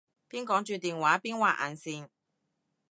邊講住電話邊畫眼線